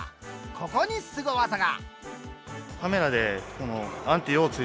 ここにすご技が。